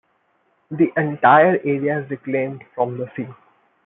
The entire area is reclaimed from the sea.